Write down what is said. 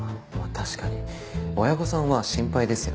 確かに親御さんは心配ですよね。